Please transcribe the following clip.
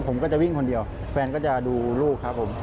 ผมก็จะวิ่งคนเดียวแฟนก็จะดูลูกครับผม